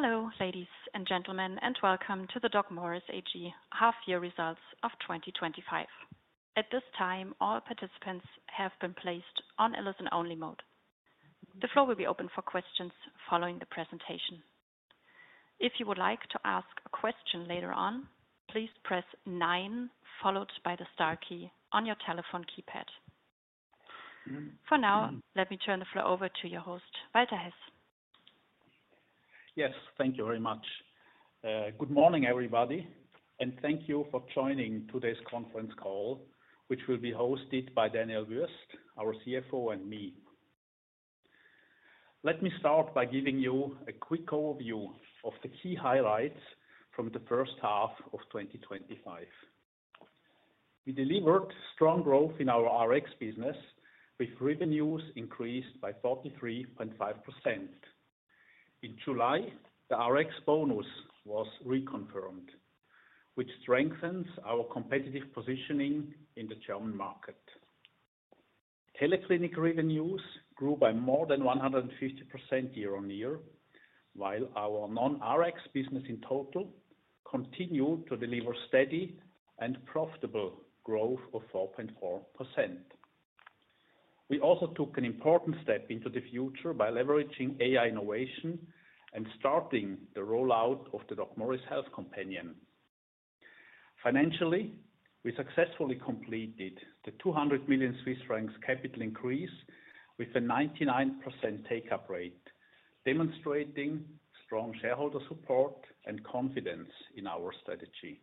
Hello, ladies and gentlemen, and welcome to the DocMorris AG Half-Year Results of 2025. At this time, all participants have been placed on a listen-only mode. The floor will be open for questions following the presentation. If you would like to ask a question later on, please press nine, followed by the star key on your telephone keypad. For now, let me turn the floor over to your host, Walter Hess. Yes, thank you very much. Good morning, everybody, and thank you for joining today's conference call, which will be hosted by Daniel Wüest, our CFO, and me. Let me start by giving you a quick overview of the key highlights from the first half of 2025. We delivered strong growth in our Rx business, with revenues increased by 43.5%. In July, the Rx bonus was reconfirmed, which strengthens our competitive positioning in the German market. TeleClinic revenues grew by more than 150% year-on-year, while our non-Rx business in total continued to deliver steady and profitable growth of 4.4%. We also took an important step into the future by leveraging AI innovation and starting the rollout of the DocMorris Health Companion. Financially, we successfully completed the 200 million Swiss francs capital increase with a 99% take-up rate, demonstrating strong shareholder support and confidence in our strategy.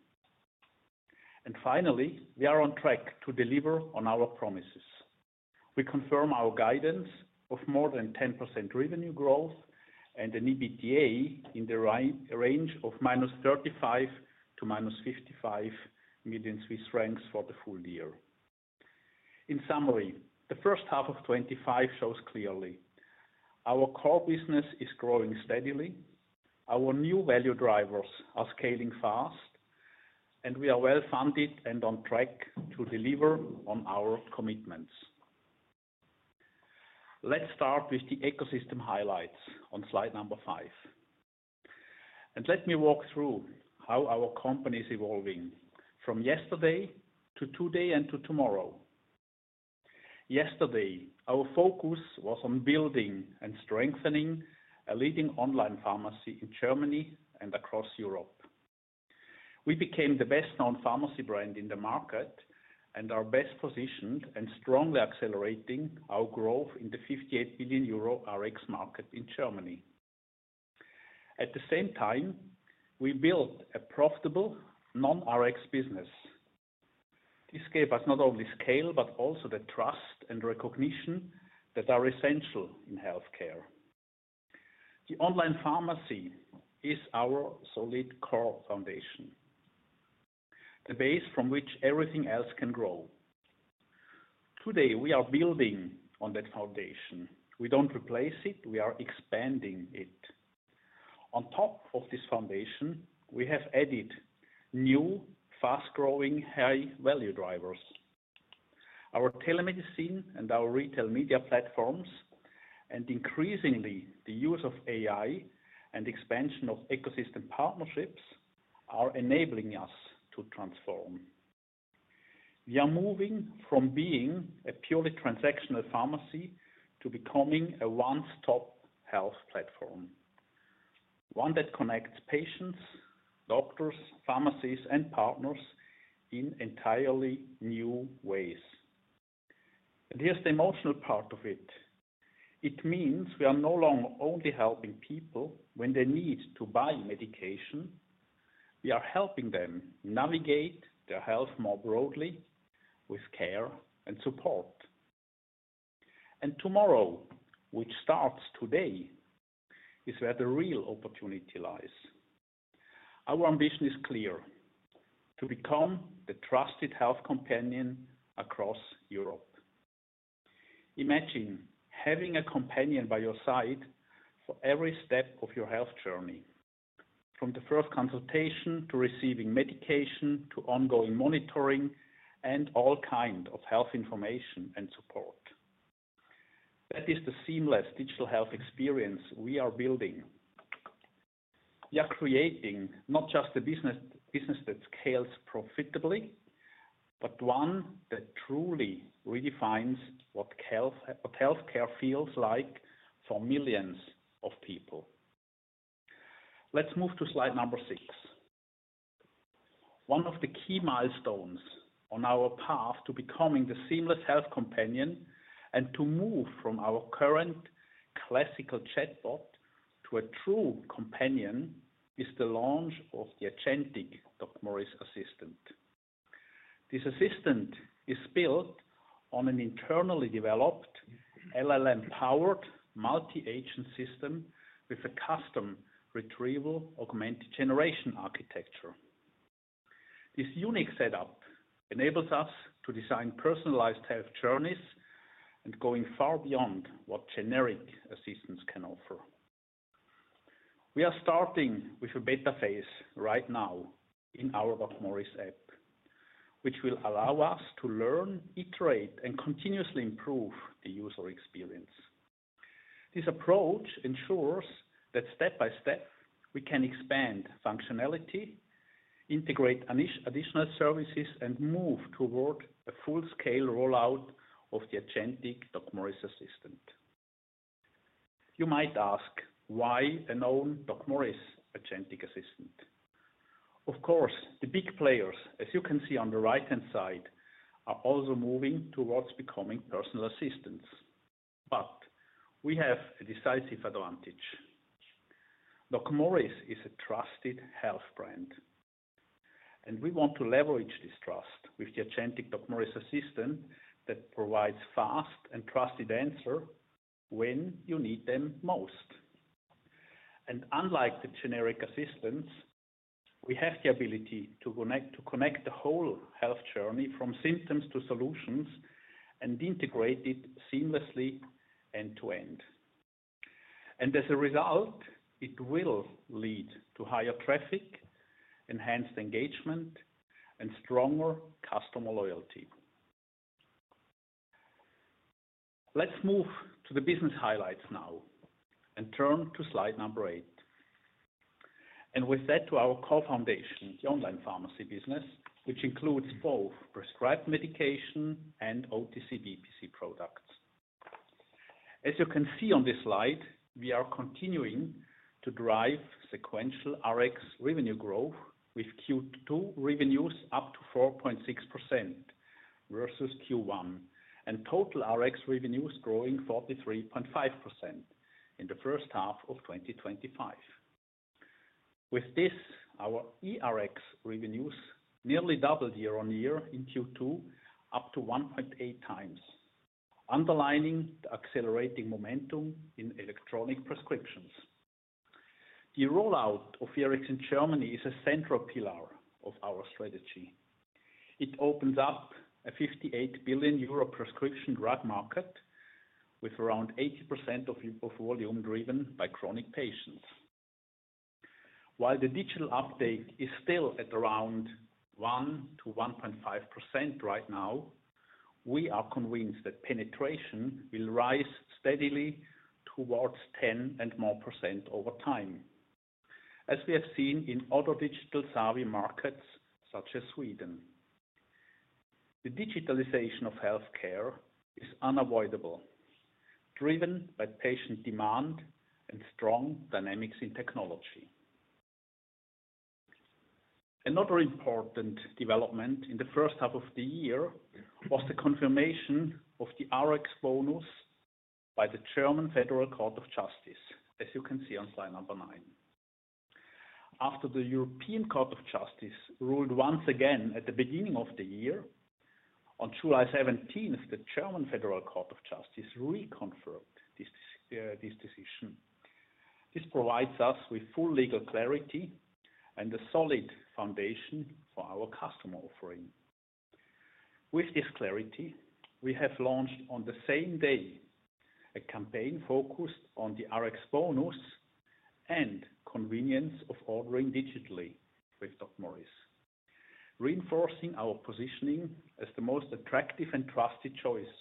Finally, we are on track to deliver on our promises. We confirm our guidance of more than 10% revenue growth and an EBITDA in the range of -35 million to -55 million Swiss francs for the full year. In summary, the first half of 2025 shows clearly our core business is growing steadily, our new value drivers are scaling fast, and we are well-funded and on track to deliver on our commitments. Let's start with the ecosystem highlights on slide number five. Let me walk through how our company is evolving from yesterday to today and to tomorrow. Yesterday, our focus was on building and strengthening a leading online pharmacy in Germany and across Europe. We became the best-known pharmacy brand in the market and are best positioned and strongly accelerating our growth in the 58 billion euro Rx market in Germany. At the same time, we built a profitable non-Rx business. This gave us not only scale but also the trust and recognition that are essential in healthcare. The online pharmacy is our solid core foundation, the base from which everything else can grow. Today, we are building on that foundation. We don't replace it; we are expanding it. On top of this foundation, we have added new, fast-growing high-value drivers. Our telemedicine and our retail media platforms, and increasingly the use of AI and expansion of ecosystem partnerships, are enabling us to transform. We are moving from being a purely transactional pharmacy to becoming a one-stop health platform, one that connects patients, doctors, pharmacies, and partners in entirely new ways. Here's the emotional part of it. It means we are no longer only helping people when they need to buy medication; we are helping them navigate their health more broadly with care and support. Tomorrow, which starts today, is where the real opportunity lies. Our ambition is clear: to become the trusted health companion across Europe. Imagine having a companion by your side for every step of your health journey, from the first consultation to receiving medication to ongoing monitoring and all kinds of health information and support. That is the seamless digital health experience we are building. We are creating not just a business that scales profitably, but one that truly redefines what healthcare feels like for millions of people. Let's move to slide number six. One of the key milestones on our path to becoming the seamless health companion and to move from our current classical chatbot to a true companion is the launch of the agentic DocMorris assistant. This assistant is built on an internally developed LLM-powered multi-agent system with a custom retrieval augmented generation architecture. This unique setup enables us to design personalized health journeys and go far beyond what generic assistants can offer. We are starting with a beta phase right now in our DocMorris app, which will allow us to learn, iterate, and continuously improve the user experience. This approach ensures that step by step we can expand functionality, integrate additional services, and move toward a full-scale rollout of the agentic DocMorris assistant. You might ask, why a known DocMorris agentic assistant? Of course, the big players, as you can see on the right-hand side, are also moving towards becoming personal assistants. We have a decisive advantage. DocMorris is a trusted health brand, and we want to leverage this trust with the agentic DocMorris assistant that provides fast and trusted answers when you need them most. Unlike the generic assistants, we have the ability to connect the whole health journey from symptoms to solutions and integrate it seamlessly end-to-end. As a result, it will lead to higher traffic, enhanced engagement, and stronger customer loyalty. Let's move to the business highlights now and turn to slide number eight. With that, to our core foundation, the online pharmacy business, which includes both prescribed medication and OTC/DPC products. As you can see on this slide, we are continuing to drive sequential Rx revenue growth, with Q2 revenues up to 4.6% versus Q1, and total Rx revenues growing 43.5% in the first half of 2025. With this, our eRx revenues nearly doubled year on year in Q2, up to 1.8x, underlining the accelerating momentum in electronic prescriptions. The rollout of eRx in Germany is a central pillar of our strategy. It opens up a 58 billion euro prescription drug market, with around 80% of volume driven by chronic patients. While the digital uptake is still at around 1%-1.5% right now, we are convinced that penetration will rise steadily towards 10% and more over time, as we have seen in other digital savvy markets such as Sweden. The digitalization of healthcare is unavoidable, driven by patient demand and strong dynamics in technology. Another important development in the first half of the year was the confirmation of the Rx bonus by the German Federal Court of Justice, as you can see on slide number nine. After the European Court of Justice ruled once again at the beginning of the year, on July 17, the German Federal Court of Justice reconfirmed this decision. This provides us with full legal clarity and a solid foundation for our customer offering. With this clarity, we have launched on the same day a campaign focused on the Rx bonus and convenience of ordering digitally with DocMorris, reinforcing our positioning as the most attractive and trusted choice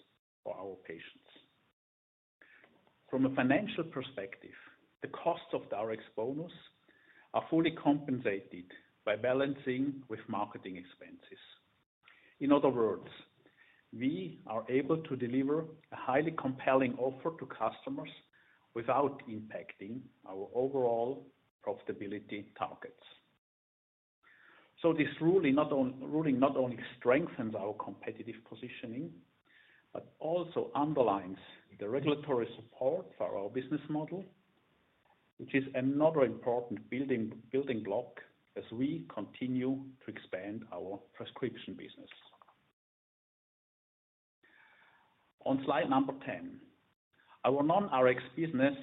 for our patients. From a financial perspective, the costs of the RX bonus are fully compensated by balancing with marketing expenses. In other words, we are able to deliver a highly compelling offer to customers without impacting our overall profitability targets. This ruling not only strengthens our competitive positioning, but also underlines the regulatory support for our business model, which is another important building block as we continue to expand our prescription business. On slide number 10, our non-Rx business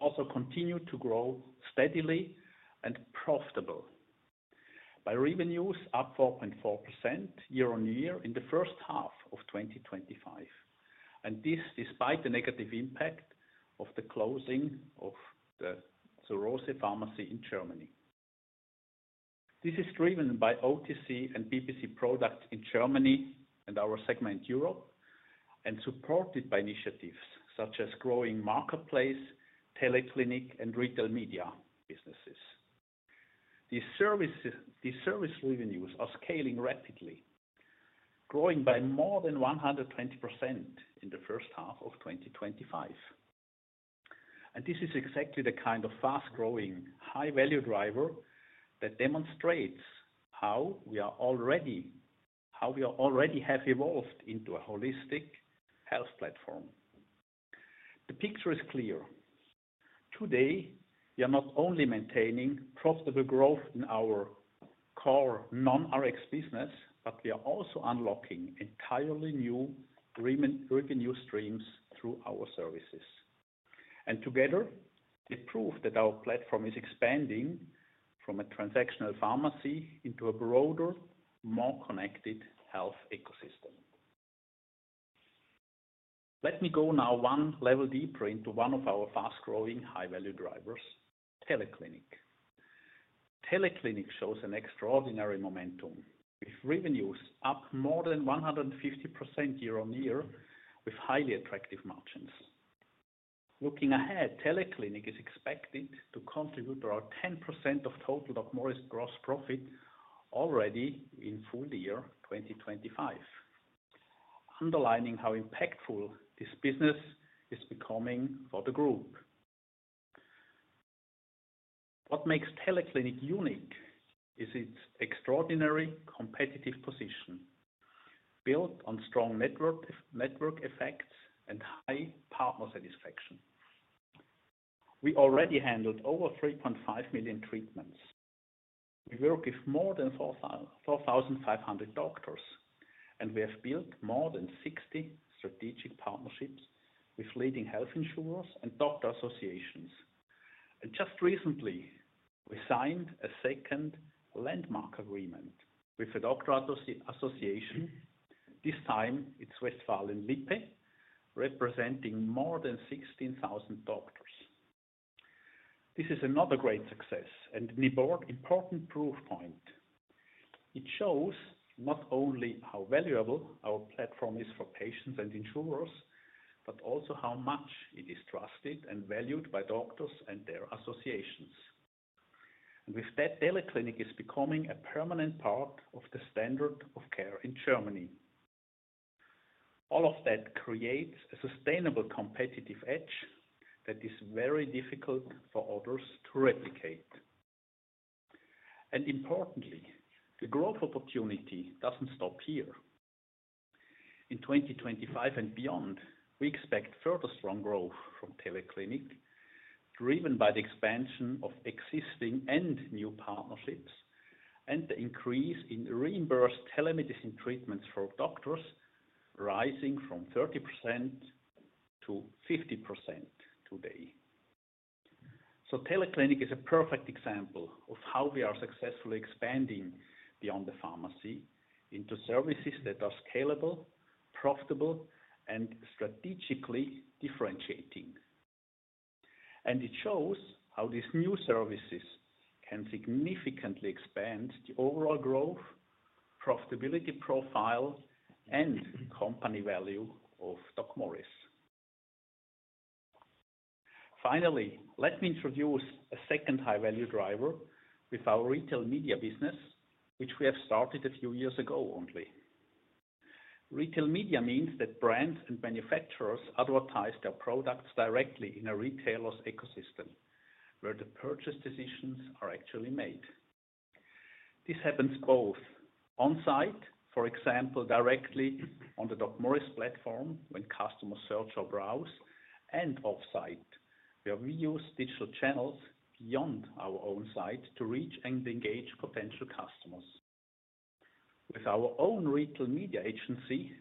also continues to grow steadily and profitably, with revenues up 4.4% year-on-year in the first half of 2025. This is despite the negative impact of the closing of the Zur Rose Pharmacy in Germany. This is driven by OTC and DPC products in Germany and our segment Europe, and supported by initiatives such as growing marketplace, TeleClinic, and retail media businesses. These service revenues are scaling rapidly, growing by more than 120% in the first half of 2025. This is exactly the kind of fast-growing high-value driver that demonstrates how we already have evolved into a holistic health platform. The picture is clear. Today, we are not only maintaining profitable growth in our core non-Rx business, but we are also unlocking entirely new revenue streams through our services. Together, we prove that our platform is expanding from a transactional pharmacy into a broader, more connected health ecosystem. Let me go now one level deeper into one of our fast-growing high-value drivers, TeleClinic. TeleClinic shows an extraordinary momentum, with revenues up more than 150% year-on-year, with highly attractive margins. Looking ahead, TeleClinic is expected to contribute around 10% of total DocMorris gross profit already in full year 2025, underlining how impactful this business is becoming for the group. What makes TeleClinic unique is its extraordinary competitive position, built on strong network effects and high partner satisfaction. We already handle over 3.5 million treatments. We work with more than 4,500 doctors, and we have built more than 60 strategic partnerships with leading health insurers and doctor associations. Just recently, we signed a second landmark agreement with a doctor association. This time, it's Westfalen-Lippe, representing more than 16,000 doctors. This is another great success and an important proof point. It shows not only how valuable our platform is for patients and insurers, but also how much it is trusted and valued by doctors and their associations. With that, TeleClinic is becoming a permanent part of the standard of care in Germany. All of that creates a sustainable competitive edge that is very difficult for others to replicate. Importantly, the growth opportunity doesn't stop here. In 2025 and beyond, we expect further strong growth from TeleClinic, driven by the expansion of existing and new partnerships and the increase in reimbursed telemedicine treatments for doctors, rising from 30% to 50% today. TeleClinic is a perfect example of how we are successfully expanding beyond the pharmacy into services that are scalable, profitable, and strategically differentiating. It shows how these new services can significantly expand the overall growth, profitability profile, and company value of DocMorris. Finally, let me introduce a second high-value driver with our retail media business, which we have started a few years ago, aren't we? Retail media means that brands and manufacturers advertise their products directly in a retailer's ecosystem, where the purchase decisions are actually made. This happens both on-site, for example, directly on the DocMorris platform when customers search or browse, and off-site, where we use digital channels beyond our own site to reach and engage potential customers. With our own retail media agency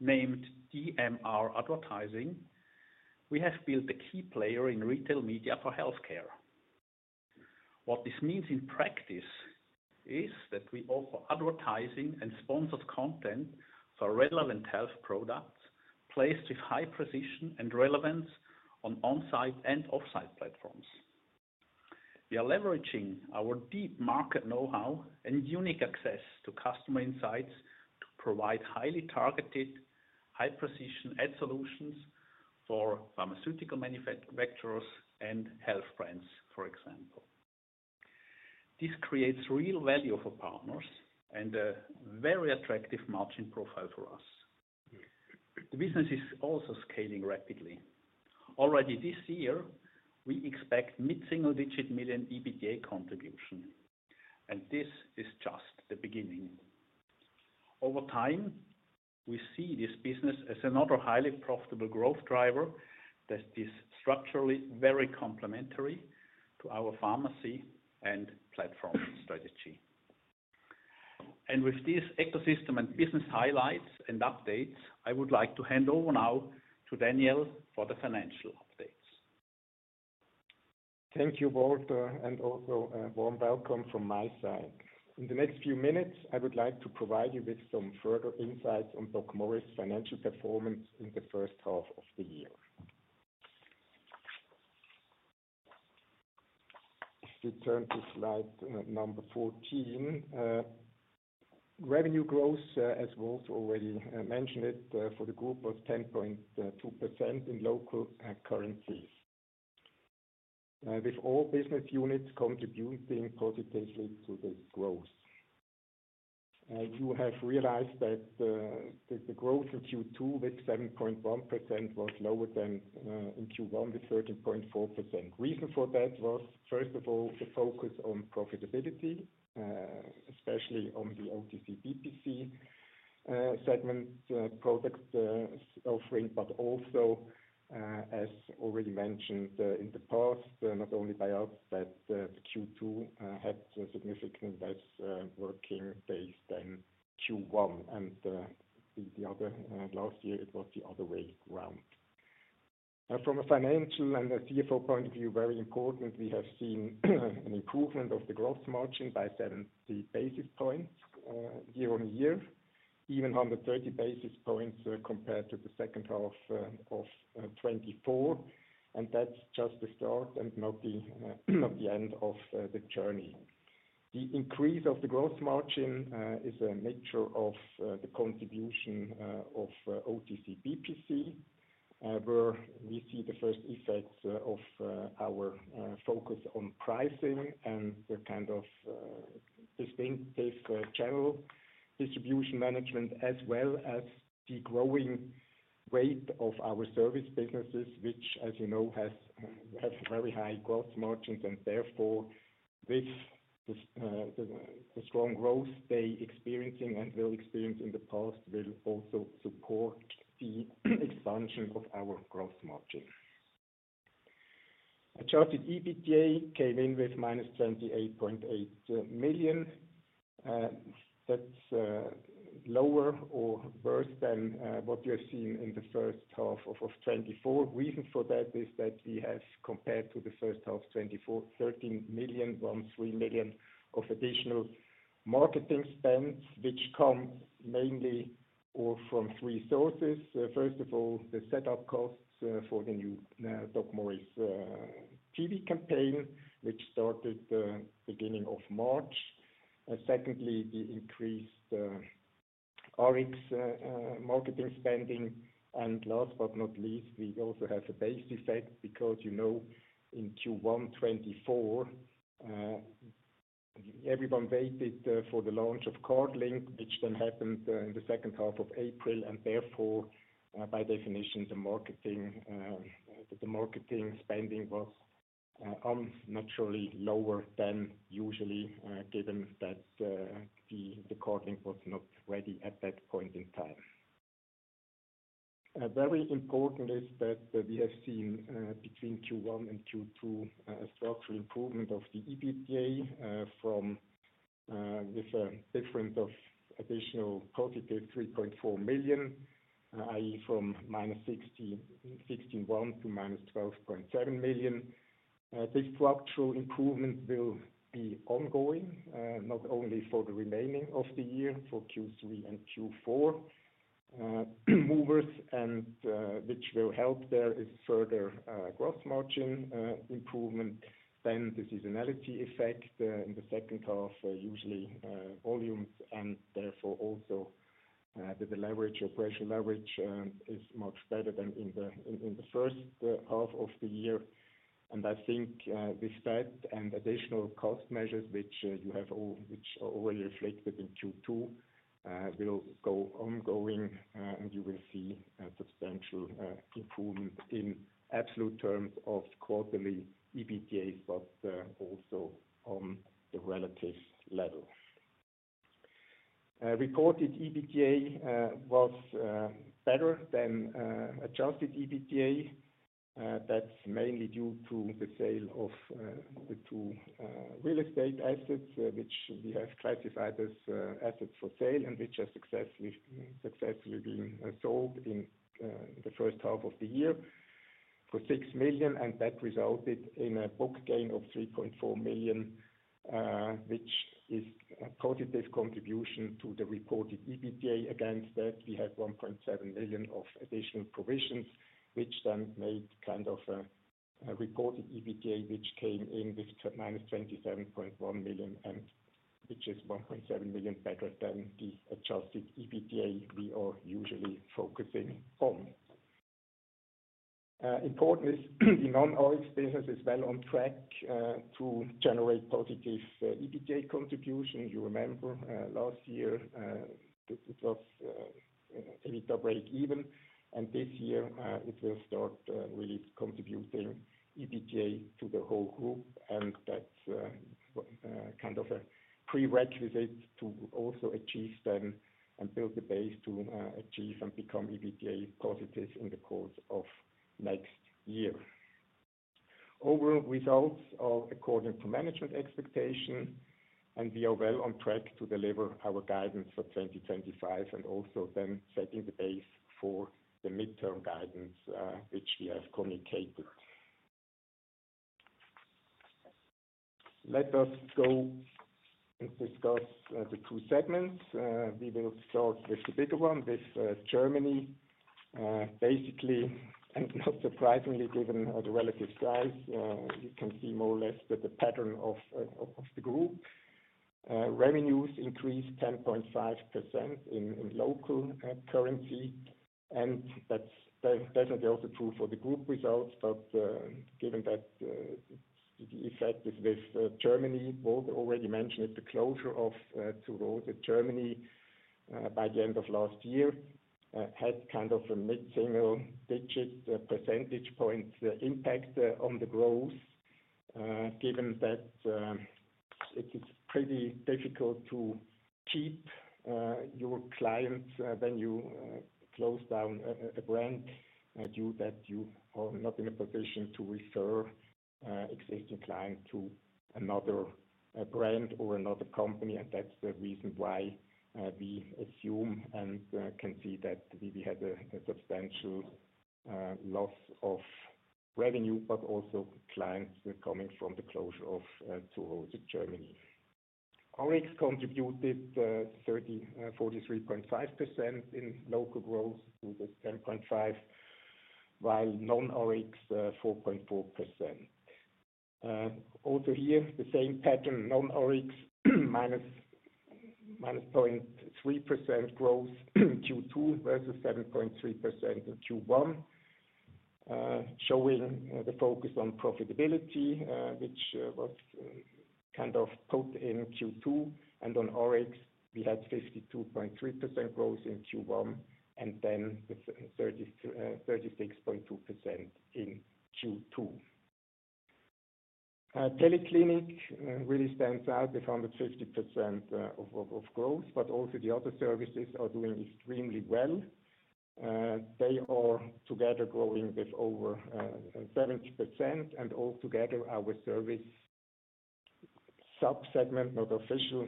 named dmr Advertising, we have built a key player in retail media for healthcare. What this means in practice is that we offer advertising and sponsored content for relevant health products placed with high precision and relevance on on-site and off-site platforms. We are leveraging our deep market know-how and unique access to customer insights to provide highly targeted, high-precision ad solutions for pharmaceutical manufacturers and health brands, for example. This creates real value for partners and a very attractive margin profile for us. The business is also scaling rapidly. Already this year, we expect mid-single-digit million EBITDA contribution, and this is just the beginning. Over time, we see this business as another highly profitable growth driver that is structurally very complementary to our pharmacy and platform strategy. With these ecosystem and business highlights and updates, I would like to hand over now to Daniel for the financial updates. Thank you, Walter, and also a warm welcome from my side. In the next few minutes, I would like to provide you with some further insights on DocMorris' financial performance in the third half of the year. If you turn to slide number 14, revenue growth, as Walter already mentioned, for the group was 10.2% in local currencies, with all business units contributing positively to this growth. You have realized that the growth in Q2 with 7.1% was lower than in Q1 with 13.4%. The reason for that was, first of all, the focus on profitability, especially on the OTC/DPC segment products offering, but also, as already mentioned in the past, not only by us, that the Q2 had significantly less working days than Q1. The other last year, it was the other way around. From a financial and a CFO point of view, very important, we have seen an improvement of the gross margin by 70 basis points year-on-year, even 130 basis points compared to the second half of 2024. That's just the start and not the end of the journey. The increase of the gross margin is a nature of the contribution of OTC/DPC, where we see the first effects of our focus on pricing and the kind of distinctive channel distribution management, as well as the growing weight of our service businesses, which, as you know, have very high gross margins. Therefore, with the strong growth they are experiencing and will experience in the past, will also support the expansion of our gross margin. Adjusted EBITDA came in with -28.8 million. That's lower or worse than what you have seen in the first half of 2024. The reason for that is that we have, compared to the first half of 2024, 13 million of additional marketing spend, which comes mainly from three sources. First of all, the setup costs for the new DocMorris TV campaign, which started at the beginning of March. Secondly, the increased Rx marketing spending. Last but not least, we also have a base effect because, you know, in Q1 2024, everyone waited for the launch of CardLink, which then happened in the second half of April. Therefore, by definition, the marketing spending was naturally lower than usually, given that the CardLink was not ready at that point in time. Very important is that we have seen between Q1 and Q2 a structural improvement of the EBITDA with a difference of additional positive 3.4 million, i.e., from -16.1 million to minus 12.7 million. This structural improvement will be ongoing, not only for the remaining of the year, for Q3 and Q4 movers, and which will help there is further gross margin improvement than the seasonality effect in the second half, where usually volumes and therefore also the leverage or operational leverage is much better than in the first half of the year. I think this spend and additional cost measures, which you have all, which are already reflected in Q2, will go ongoing, and you will see a substantial improvement in absolute terms of quarterly EBITDAs, but also on the relative level. Reported EBITDA was better than adjusted EBITDA. That's mainly due to the sale of the two real estate assets, which we have classified as assets for sale and which have successfully been sold in the first half of the year for 6 million. That resulted in a book gain of 3.4 million, which is a positive contribution to the reported EBITDA. Against that, we had 1.7 million of additional provisions, which then made kind of a reported EBITDA, which came in with -27.1 million, and which is 1.7 million better than the adjusted EBITDA we are usually focusing on. Important is the non-RX segment is well on track to generate positive EBITDA contributions. You remember last year, it was a little break even, and this year, it will start really contributing EBITDA to the whole group. That's kind of a prerequisite to also achieve then and build the base to achieve and become EBITDA positive in the course of next year. Overall results are according to management expectation, and we are well on track to deliver our guidance for 2025 and also then setting the base for the midterm guidance, which we have communicated. Let us go and discuss the two segments. We will start with the bigger one, with Germany. Basically, and not surprisingly, given the relative size, you can see more or less the pattern of the group. Revenues increased 10.5% in local currency, and that's definitely also true for the group results. Given that the effect is with Germany, Walter already mentioned it, the closure of Zur Rose Germany by the end of last year had kind of a mid-single-digit percentage point impact on the growth, given that it is pretty difficult to keep your clients when you close down a brand due to that you are not in a position to refer an existing client to another brand or another company. That's the reason why we assume and can see that we had a substantial loss of revenue, but also clients coming from the closure of Zur Rose Germany. Rx contributed 43.5% in local growth, which was 10.5%, while non-Rx 4.4%. Also here, the same pattern, non-Rx -0.3% growth in Q2 versus 7.3% in Q1, showing the focus on profitability, which was kind of put in Q2. On RX, we had 52.3% growth in Q1 and then 36.2% in Q2. TeleClinic really stands out with 150% of growth, but also the other services are doing extremely well. They are together growing with over 70%. Altogether, our service subsegment, not official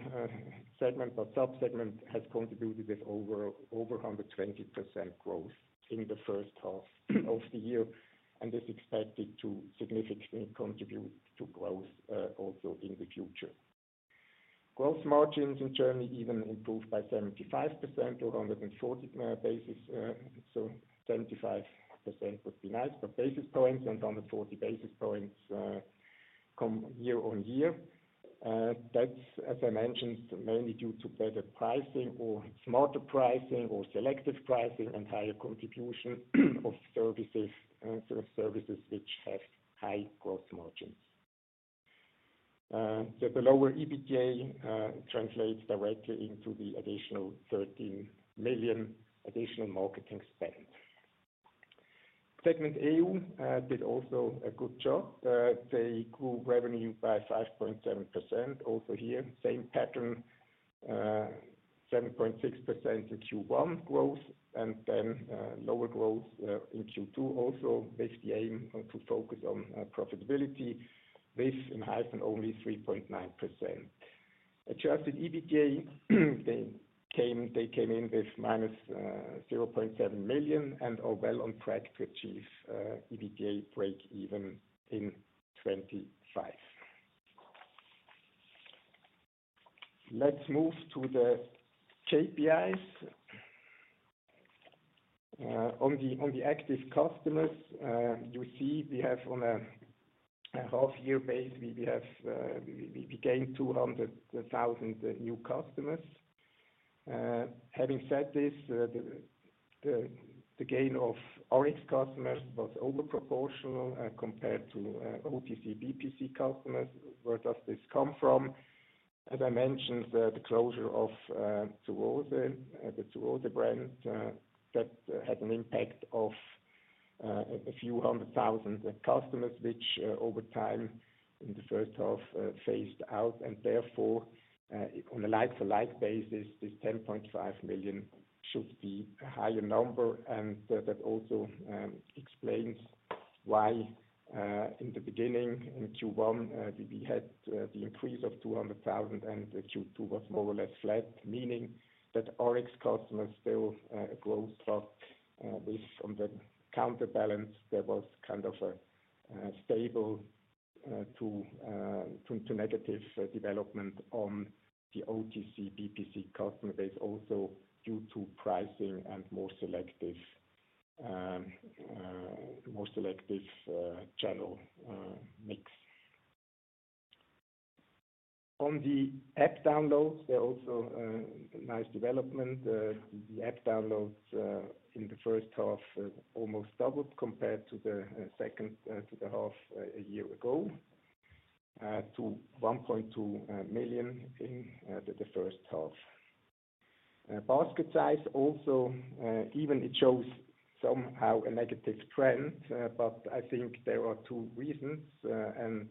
segment, but subsegment has contributed with over 120% growth in the first half of the year. This is expected to significantly contribute to growth also in the future. Gross margins in Germany even improved by 75 basis points to 140 basis points. 75% would be nice, but basis points and 140 basis points come year-on-year. That's, as I mentioned, mainly due to better pricing or smarter pricing or selective pricing and higher contribution of services and services which have high gross margins. The lower EBITDA translates directly into the additional 13 million additional marketing spend. Segment AU did also a good job. They grew revenue by 5.7%. Also here, same pattern, 7.6% in Q1 growth and then lower growth in Q2, also with the aim to focus on profitability, with a higher than only 3.9%. Adjusted EBITDA, they came in with -0.7 million and are well on track to achieve EBITDA break-even in 2025. Let's move to the KPIs. On the active customers, you see we have on a half-year base, we gained 200,000 new customers. Having said this, the gain of Rx customers was overproportional compared to OTC/DPC customers. Where does this come from? As I mentioned, the closure of Zur Rose brand that had an impact of a few hundred thousand customers, which over time in the first half phased out. Therefore, on a like-for-like basis, this 10.5 million should be a higher number. That also explains why in the beginning, in Q1, we had the increase of 200,000 and Q2 was more or less flat, meaning that RX customers still grow, but with on the counterbalance, there was kind of a stable to negative development on the OTC/DPC customer base, also due to pricing and more selective channel mix. On the app downloads, there's also a nice development. The app downloads in the first half almost doubled compared to the second half a year ago, to 1.2 million in the first half. Basket size also, even it shows somehow a negative trend, but I think there are two reasons and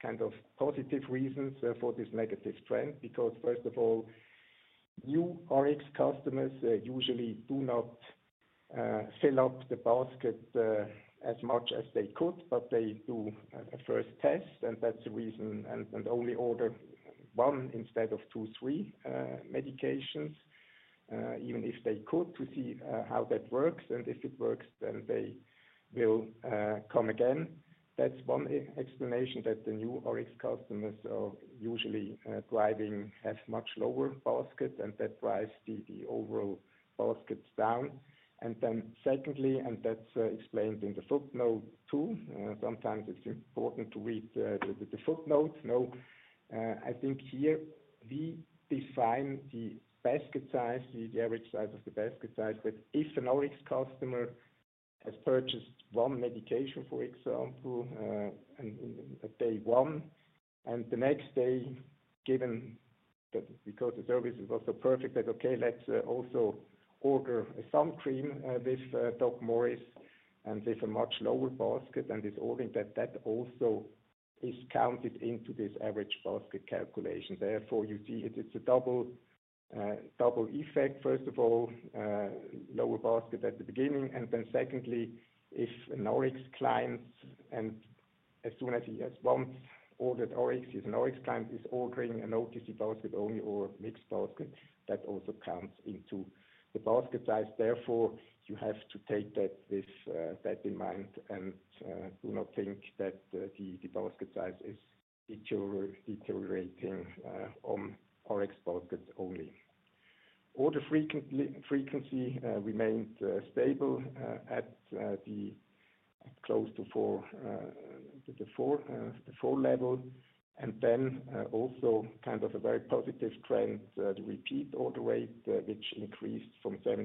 kind of positive reasons for this negative trend because, first of all, new RX customers usually do not fill up the basket as much as they could, but they do a first test. That's the reason, and only order one instead of two, three medications, even if they could, to see how that works. If it works, then they will come again. That's one explanation that the new Rx customers are usually driving have much lower baskets, and that drives the overall baskets down. Secondly, and that's explained in the footnote too, sometimes it's important to read the footnotes. I think here we define the basket size, the average size of the basket size, but if an Rx customer has purchased one medication, for example, at day one, and the next day, given that because the service was so perfect that, okay, let's also order a sun cream with DocMorris and with a much lower basket and this ordering, that also is counted into this average basket calculation. Therefore, you see it's a double effect. First of all, lower basket at the beginning, and then secondly, if an Rx client, and as soon as he has once ordered Rx, he is an Rx client, is ordering an OTC basket only or a mixed basket, that also counts into the basket size. Therefore, you have to take that with that in mind and do not think that the basket size is deteriorating on Rx baskets only. Order frequency remained stable at close to the four level, and also kind of a very positive trend, the repeat order rate, which increased from 76%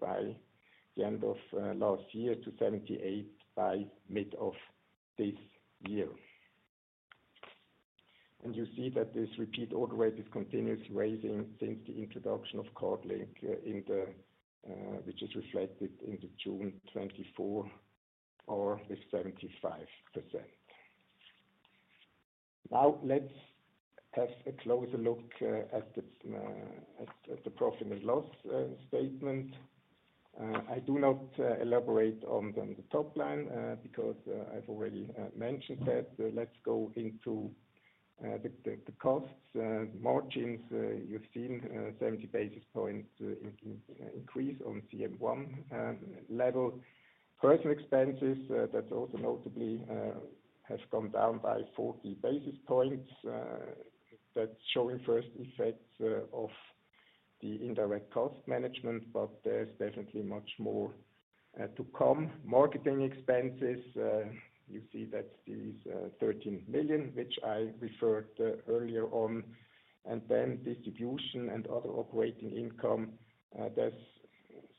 by the end of last year to 78% by mid of this year. You see that this repeat order rate is continuously raising since the introduction of CardLink, which is reflected in the June 2024, or with 75%. Now let's have a closer look at the profit and loss statement. I do not elaborate on the top line because I've already mentioned that. Let's go into the costs. Margins, you've seen 70 basis points increase on the CM1 level. Personnel expenses, that's also notably has gone down by 40 basis points. That's showing first effects of the indirect cost management, but there's definitely much more to come. Marketing expenses, you see that's the 13 million, which I referred earlier on. Distribution and other operating income, there's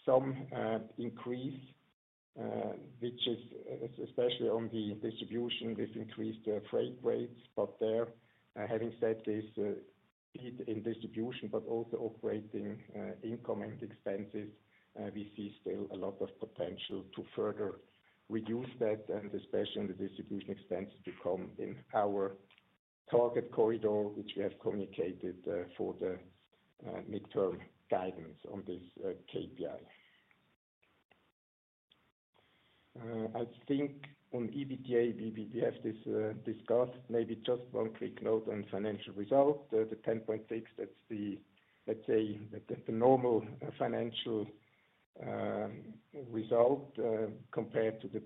some increase, which is especially on the distribution with increased freight rates. Having said this, in distribution, but also operating income and expenses, we see still a lot of potential to further reduce that. Especially in the distribution expenses to come in our target corridor, which we have communicated for the midterm guidance on this KPI. I think on EBITDA, we have this discussed. Maybe just one quick note on financial results. The 10.6 million, that's the, let's say, the normal financial result compared to the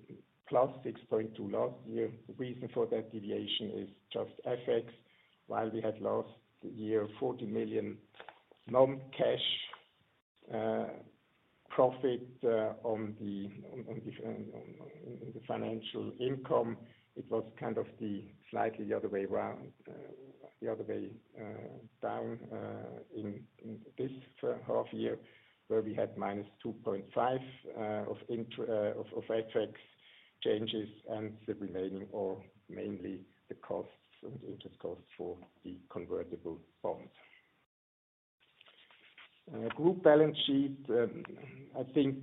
+6.2 million last year. The reason for that deviation is just FX. While we had last year 40 million non-cash profits on the financial income, it was kind of slightly the other way down in this half year, where we had -2.5 million of FX changes and the remaining or mainly the costs and interest costs for the convertible bonds. Group balance sheet, I think,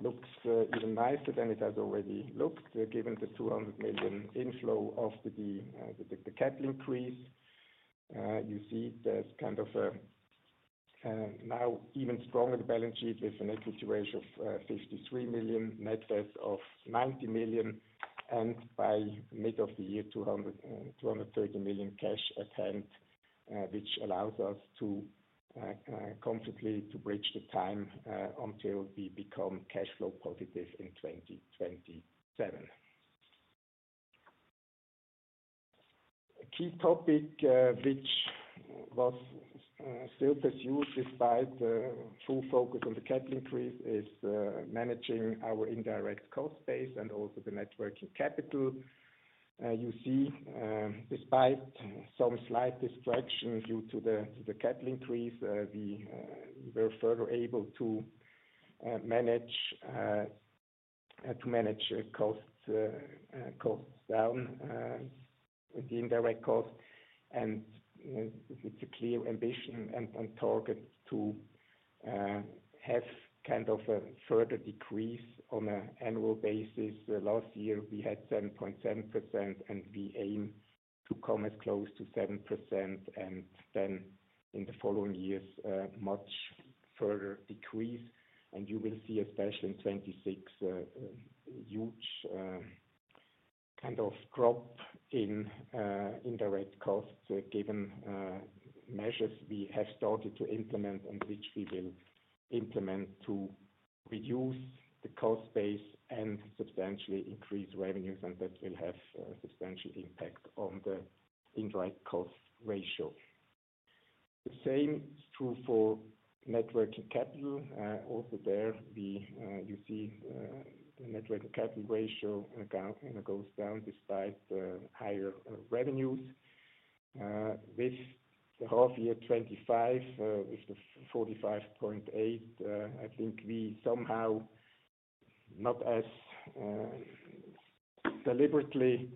looks even nicer than it has already looked, given the 200 million inflow after the capital increase. You see there's kind of a now even stronger balance sheet with a net equity ratio of 53%, net worth of 90 million, and by mid of the year, 230 million cash at hand, which allows us to completely bridge the time until we become cash flow positive in 2027. A key topic which was still pursued despite the full focus on the capital increase is managing our indirect cost base and also the working capital. You see, despite some slight distraction due to the capital increase, we were further able to manage costs down with the indirect cost. It's a clear ambition and target to have kind of a further decrease on an annual basis. Last year, we had 7.7%, and we aim to come as close to 7%. In the following years, a much further decrease. You will see, especially in 2026, a huge kind of drop in indirect costs, given measures we have started to implement and which we will implement to reduce the cost base and substantially increase revenues. That will have a substantial impact on the indirect cost ratio. The same is true for working capital. Also there, you see the working capital ratio goes down despite the higher revenues. With the half year 2025, with the 45.8 million, I think we somehow, not as deliberately,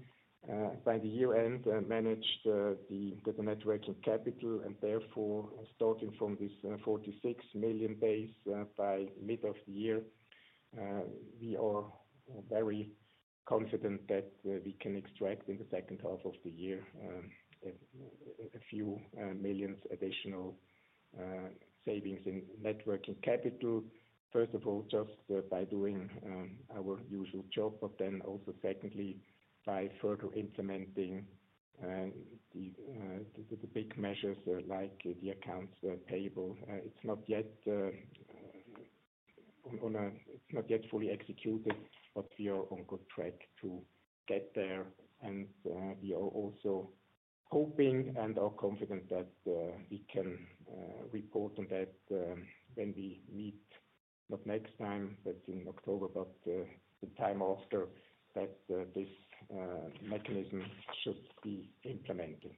by the year-end managed the working capital. Therefore, starting from this 46 million base by mid of the year, we are very confident that we can extract in the second half of the year a few millions additional savings in working capital. First of all, just by doing our usual job, but then also secondly by further implementing the big measures like the accounts payable. It's not yet fully executed, but we are on good track to get there. We are also hoping and are confident that we can report on that when we meet, not next time, but in October, but the time after that this mechanism should be implemented.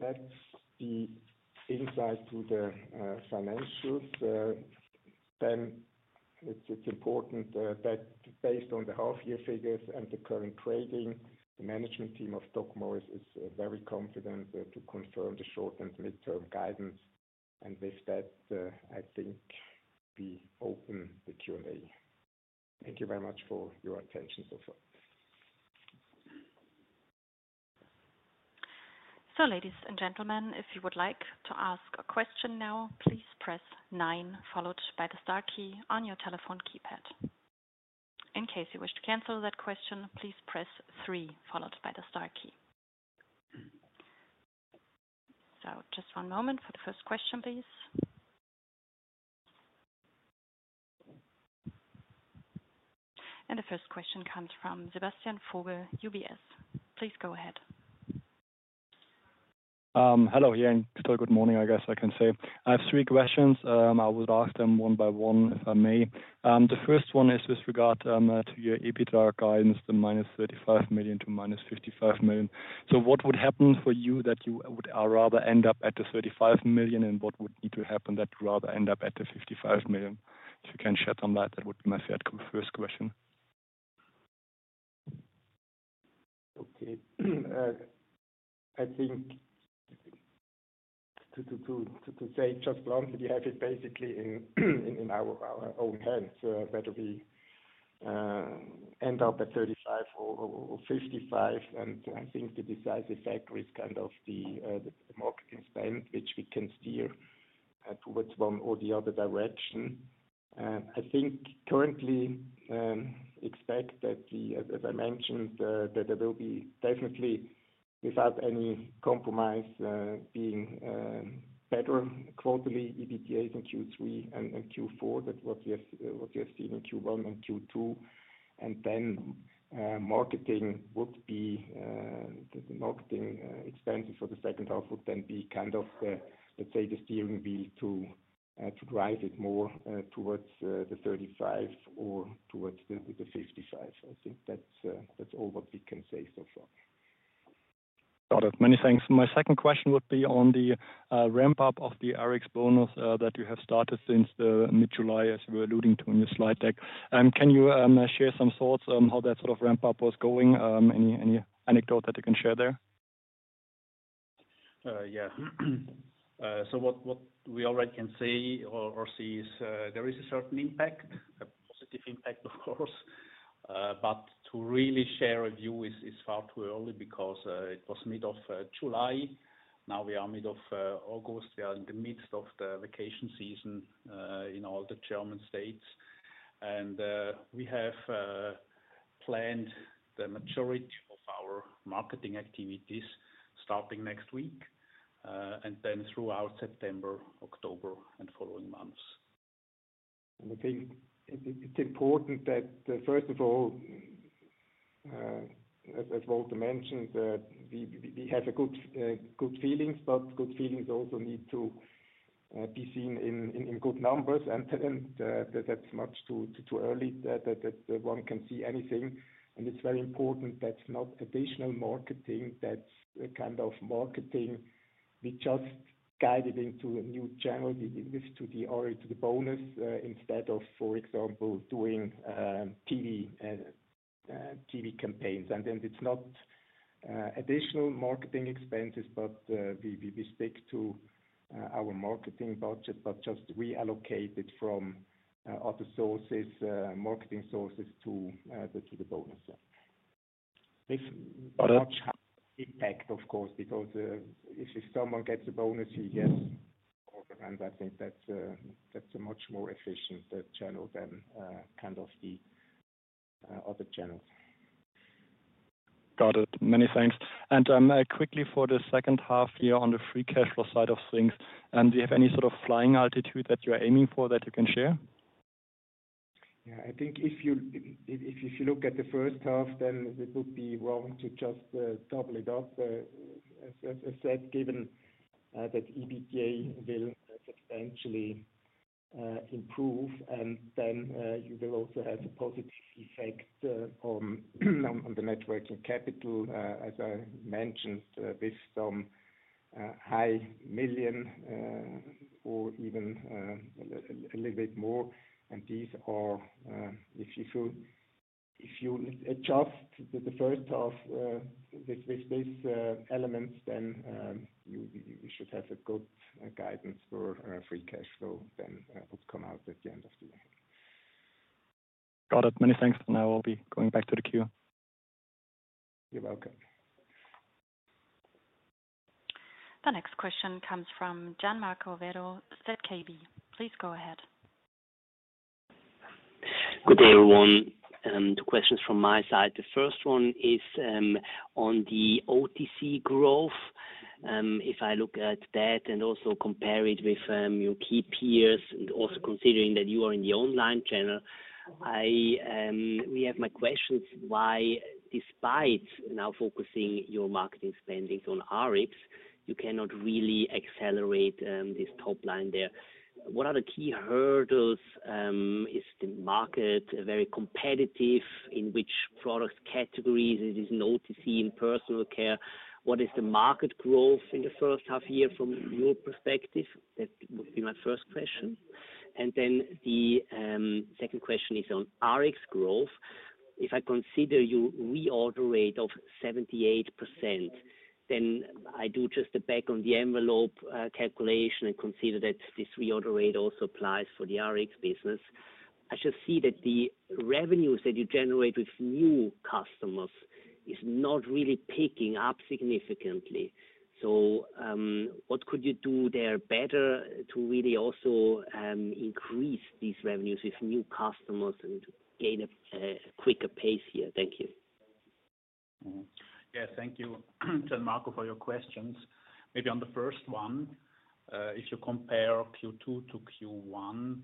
That's the insight to the financials. It's important that based on the half-year figures and the current trading, the management team of DocMorris is very confident to confirm the short and midterm guidance. With that, I think we open the Q&A. Thank you very much for your attention so far. Ladies and gentlemen, if you would like to ask a question now, please press nine, followed by the star key on your telephone keypad. In case you wish to cancel that question, please press three, followed by the star key. Just one moment for the first question, please. The first question comes from Sebastian Vogel, UBS. Please go ahead. Hello here and good morning, I guess I can say. I have three questions. I will ask them one by one, if I may. The first one is with regard to your EBITDA guidance, the -35 million to -55 million. What would happen for you that you would rather end up at the 35 million and what would need to happen that you'd rather end up at the 55 million? If you can shed on that, that would be my first question. Okay. I think to say it just bluntly, we have it basically in our own hands whether we end up at 35 million or 55 million. I think the decisive factor is kind of the marketing spend, which we can steer towards one or the other direction. I think currently, expect that we, as I mentioned, that there will be definitely, without any compromise, being better quarterly EBITDAs in Q3 and Q4 than what we have seen in Q1 and Q2. Marketing would be, the marketing expenses for the second half would then be kind of, let's say, the steering wheel to drive it more towards the 35 million or towards the 55 million. I think that's all what we can say so far. Got it. Many thanks. My second question would be on the ramp-up of the Rx bonus that you have started since mid-July, as you were alluding to in your slide deck. Can you share some thoughts on how that sort of ramp-up was going? Any anecdote that you can share there? Yes. What we already can say or see is there is a certain impact, a positive impact, of course. To really share a view is far too early because it was mid-July. Now we are mid-August. We are in the midst of the vacation season in all the German states. We have planned the majority of our marketing activities starting next week and then throughout September, October, and the following months. I think it's important that, first of all, as Walter mentioned, we have good feelings, but good feelings also need to be seen in good numbers. It's much too early that one can see anything. It's very important that's not additional marketing. That's kind of marketing. We just guide it into a new channel, to the bonus, instead of, for example, doing TV campaigns. It's not additional marketing expenses, but we stick to our marketing budget, but just reallocate it from other sources, marketing sources, to the bonus. With much impact, of course, because if someone gets a bonus, he gets all the time. I think that's a much more efficient channel than kind of the other channels. Got it. Many thanks. Quickly, for the second half here on the free cash flow side of things, do you have any sort of flying altitude that you're aiming for that you can share? Yeah. I think if you look at the first half, it would be wrong to just double it up. As I said, given that EBITDA will substantially improve, you will also have a positive effect on the working capital, as I mentioned, with some high million or even a little bit more. If you adjust the first half with these elements, we should have a good guidance for free cash flow that would come out at the end of the year. Got it. Many thanks for now. I'll be going back to the queue. You're welcome. The next question comes from Gian Marco Werro, ZKB. Please go ahead. Good day, everyone. Two questions from my side. The first one is on the OTC growth. If I look at that and also compare it with your key peers, and also considering that you are in the online channel, we have my questions. Why, despite now focusing your marketing spendings on RX, you cannot really accelerate this top line there? What are the key hurdles? Is the market very competitive in which product categories it is noticing in personal care? What is the market growth in the first half year from your perspective? That would be my first question. The second question is on Rx growth. If I consider your reorder rate of 78%, then I do just the back-of-the-envelope calculation and consider that this reorder rate also applies for the Rx business. I just see that the revenues that you generate with new customers are not really picking up significantly. What could you do there better to really also increase these revenues with new customers and gain a quicker pace here? Thank you. Thank you, Gian Marco, for your questions. Maybe on the first one, if you compare Q2 to Q1,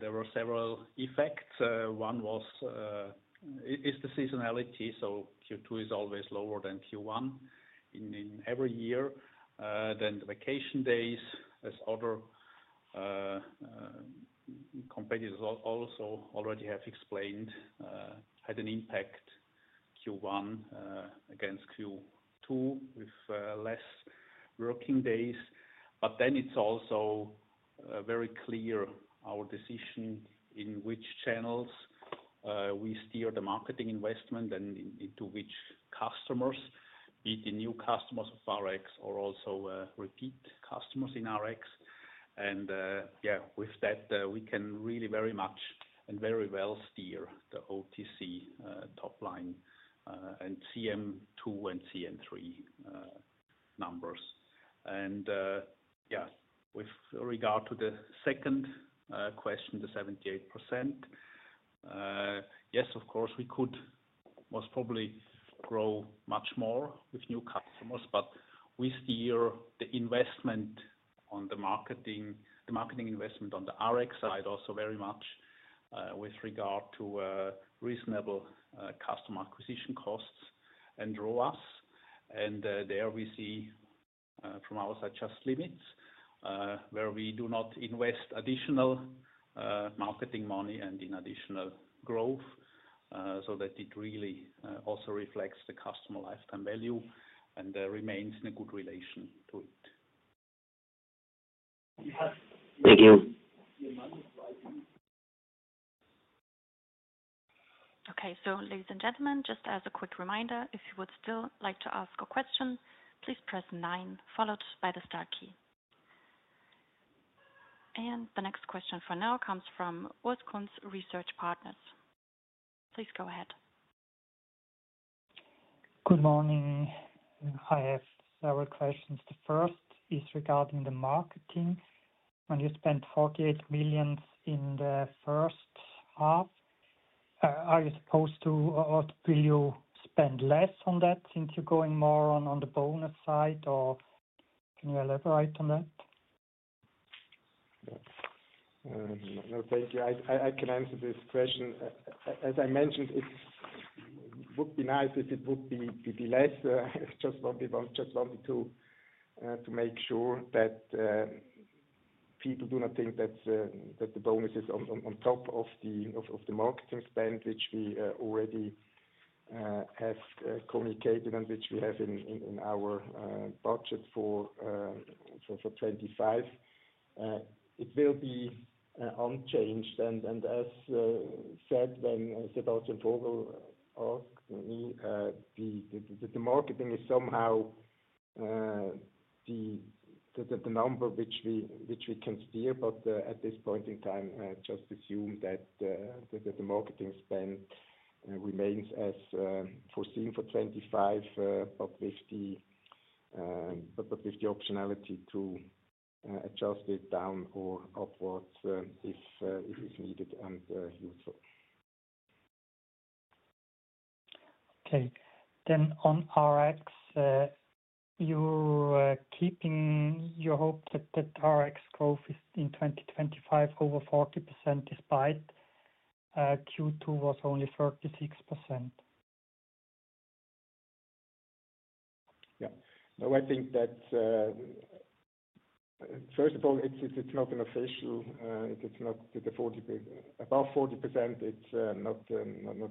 there were several effects. One was the seasonality. Q2 is always lower than Q1 in every year. The vacation days, as other competitors also already have explained, had an impact Q1 against Q2 with less working days. It's also very clear our decision in which channels we steer the marketing investment and into which customers, be it the new customers of RX or also repeat customers in RX. With that, we can really very much and very well steer the OTC top line and CM2 and CM3 numbers. With regard to the second question, the 78%, yes, of course, we could most probably grow much more with new customers, but we steer the investment on the marketing, the marketing investment on the Rx side also very much with regard to reasonable customer acquisition costs and ROAS. There we see from our side just limits where we do not invest additional marketing money and in additional growth so that it really also reflects the customer lifetime value and remains in a good relation to it. Thank you. Okay, ladies and gentlemen, just as a quick reminder, if you would still like to ask a question, please press nine followed by the star key. The next question for now comes from Urs Kunz, Research Partners. Please go ahead. Good morning. I have several questions. The first is regarding the marketing. When you spent 48 million in the first half, are you supposed to, or will you spend less on that since you're going more on the bonus side, or can you elaborate on that? Okay, I can answer this question. As I mentioned, it would be nice if it would be less. We just want to make sure that people do not think that the bonus is on top of the marketing spend, which we already have communicated and which we have in our budget for 2025. It will be unchanged. As said, when Sebastian Vogel asked me, the marketing is somehow the number which we can steer. At this point in time, just assume that the marketing spend remains as foreseen for 2025, with the optionality to adjust it down or upwards if needed and useful. Okay. On Rx, you keep in your hope that Rx growth in 2025 over 40% despite Q2 was only 36%. I think that first of all, it's not an official, it's not above 40%. It's not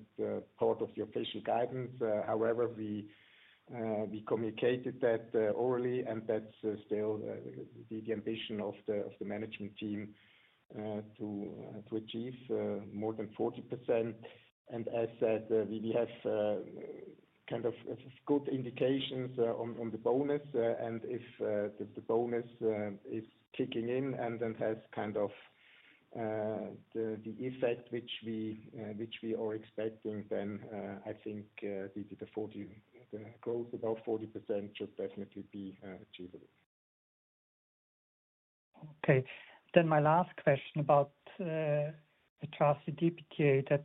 part of the official guidance. However, we communicated that orally, and that's still the ambition of the management team to achieve more than 40%. As said, we have kind of good indications on the bonus. If the bonus is kicking in and has kind of the effect which we are expecting, I think the growth above 40% should definitely be achievable. Okay. Then my last question about the trusted EBITDA that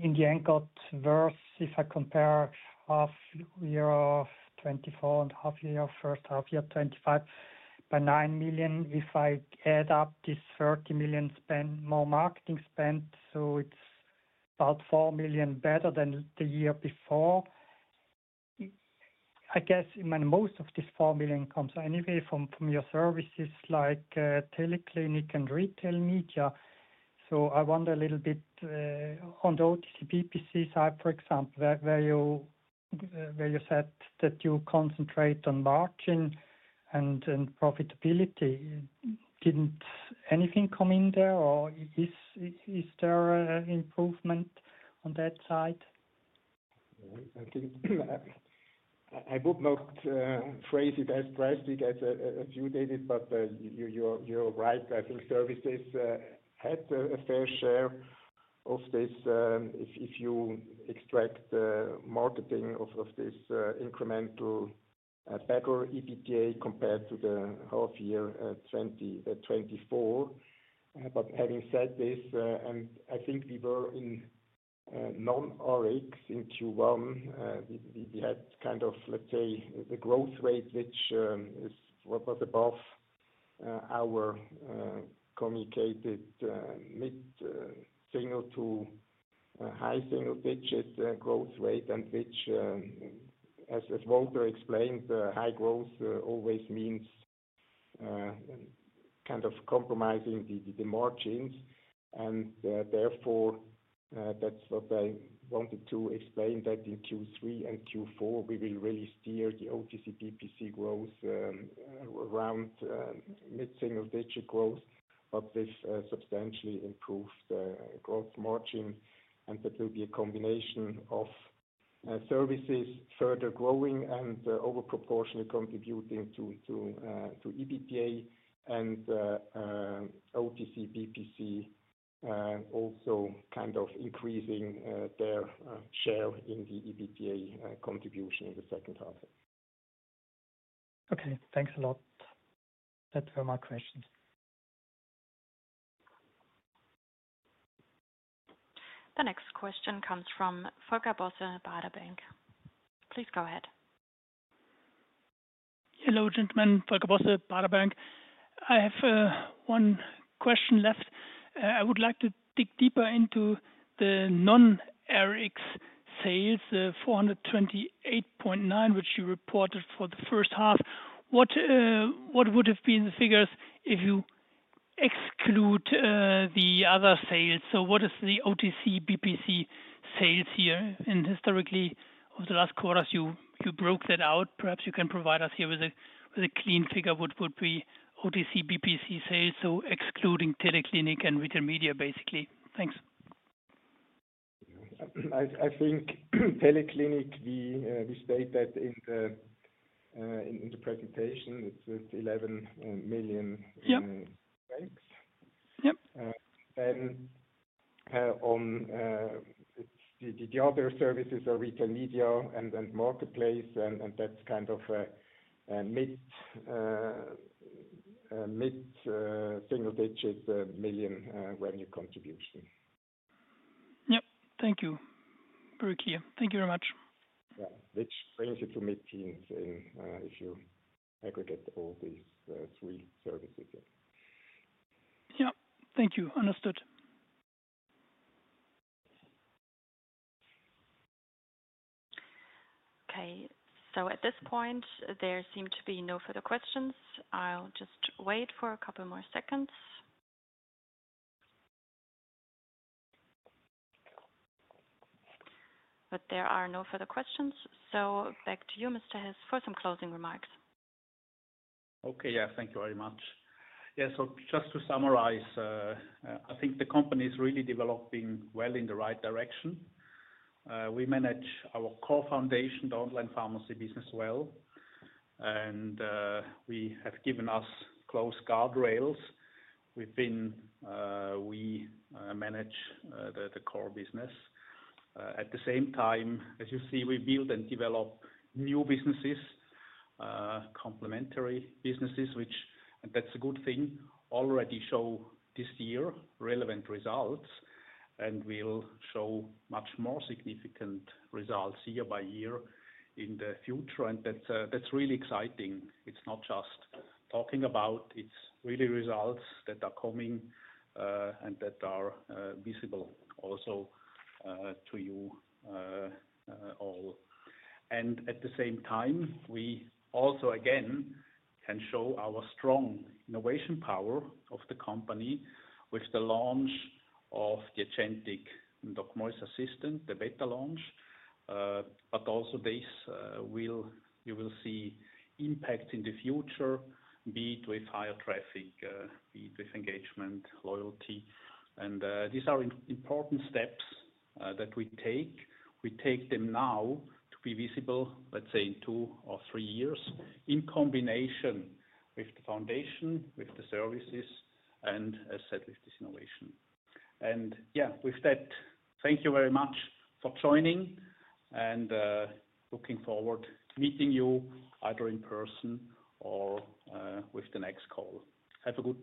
in the end got worse if I compare half year of 2024 and first half year 2025. By 9 million, if I add up this 30 million spend, more marketing spend, so it's about 4 million better than the year before. I guess most of this 4 million comes anyway from your services like TeleClinic and retail media. I wonder a little bit on the OTC/DPC side, for example, where you said that you concentrate on margin and profitability. Didn't anything come in there, or is there an improvement on that side? I would not phrase it as drastic as you did it, but you're right. I think services had a fair share of this, if you extract the marketing of this incremental better EBITDA compared to the half year 2024. Having said this, I think we were in non-Rx in Q1. We had, let's say, the growth rate, which was above our communicated mid-single to high single-digit growth rate, which, as Walter explained, high growth always means kind of compromising the margins. That's what I wanted to explain, that in Q3 and Q4, we will really steer the OTC/DPC growth around mid-single-digit growth, but with substantially improved gross margin. That will be a combination of services further growing and overproportionately contributing to EBITDA, and OTC/DPC also kind of increasing their share in the EBITDA contribution in the second half. Okay. Thanks a lot. That were my questions. The next question comes from Volker Bosse, Baarder Bank. Please go ahead. Hello, gentlemen. Volker Bosse, Baarder Bank. I have one question left. I would like to dig deeper into the non-Rx sales, the 428.9 million, which you reported for the first half. What would have been the figures if you exclude the other sales? What is the OTC/DPC sales here? Historically, over the last quarters, you broke that out. Perhaps you can provide us here with a clean figure, what would be OTC/DPC sales, excluding TeleClinic and retail media, basically? Thanks. I think TeleClinic, we state that in the presentation, it's CHF 11 million Rx. The other services are retail media and marketplace, and that's kind of a mid-single-digit million revenue contribution. Thank you. Very clear. Thank you very much. Yeah, which brings you to mid-teens, if you aggregate all these three services in. Thank you. Understood. Okay. At this point, there seem to be no further questions. I'll just wait for a couple more seconds. There are no further questions. Back to you, Mr. Hess, for some closing remarks. Thank you very much. Just to summarize, I think the company is really developing well in the right direction. We manage our core foundation, the online pharmacy business, well, and we have given us close guardrails. We manage the core business. At the same time, as you see, we build and develop new businesses, complementary businesses, which, and that's a good thing, already show this year relevant results and will show much more significant results year by year in the future. That's really exciting. It's not just talking about. It's really results that are coming and that are visible also to you all. At the same time, we also, again, can show our strong innovation power of the company with the launch of the agentic DocMorris assistant, the beta launch. Also, this, you will see impacts in the future, be it with higher traffic, be it with engagement, loyalty. These are important steps that we take. We take them now to be visible, let's say, in two or three years, in combination with the foundation, with the services, and as I said, with this innovation. With that, thank you very much for joining. Looking forward to meeting you either in person or with the next call. Have a good.